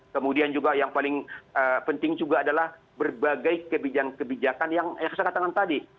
kemudian juga yang paling penting juga adalah berbagai kebijakan kebijakan yang saya katakan tadi